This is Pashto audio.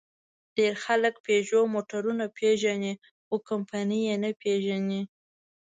ډېر خلک پيژو موټرونه پېژني؛ خو کمپنۍ یې نه پېژني.